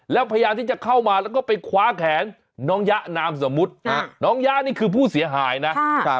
แล้วพยายามที่จะเข้ามาแล้วก็ไปคว้าแขนน้องยะนามสมมุติน้องยะนี่คือผู้เสียหายนะ